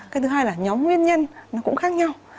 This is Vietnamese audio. cái thứ hai là nhóm nguyên nhân nó cũng khác nhau